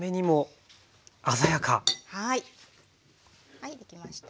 はいできました。